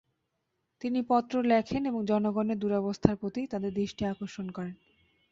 তিনি পত্র লেখেন এবং জনগনের দুরবস্থার প্রতি তাদের দৃষ্টি আকর্ষণ করেন।